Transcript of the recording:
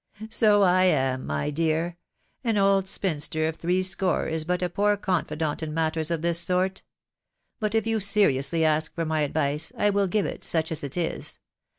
' s So I am, my dear : an old spinster of three score is but a poor confidant in matters of this sort .... But if you seriously ask for my advice, I will give it, such as it is.